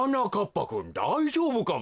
ぱくんだいじょうぶかべ。